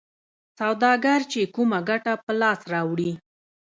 سوداګر چې کومه ګټه په لاس راوړي